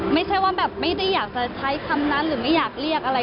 ไม่ใช่ว่าแบบไม่ได้อยากจะใช้คำนั้นหรือไม่อยากเรียกอะไร